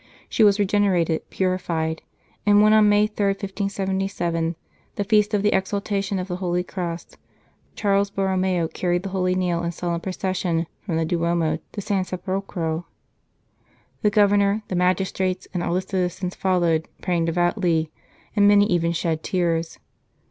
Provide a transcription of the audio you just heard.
She was regenerated, purified ; and when on May 3, 1577, the Feast of the Exaltation of the Holy Cross, Charles Borromeo carried the Holy Nail in solemn pro cession from the Duomo to San Sepolcro, the Governor, the magistrates, and all the citizens, followed, praying devoutly, and many even shed tears.